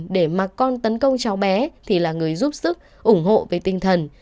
để mặt con tấn công cháu bé thì là người giúp sức ủng hộ với tinh thần